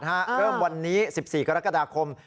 เริ่มวันนี้๑๔กรกฎาคม